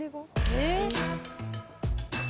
えっ。